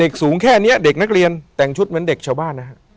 สูงแค่นี้เด็กนักเรียนแต่งชุดเหมือนเด็กชาวบ้านนะฮะ